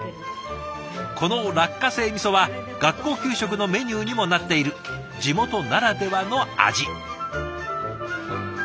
この落花生みそは学校給食のメニューにもなっている地元ならではの味。